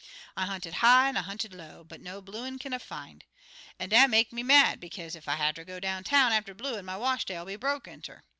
I hunted high an' I hunted low, but no bluin' kin I fin'. An' dat make me mad, bekaze ef I hatter go down town atter de bluin', my wash day'll be broke inter.